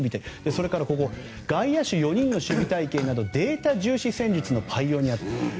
それから外野手４人の守備隊形などデータ重視戦術のパイオニア。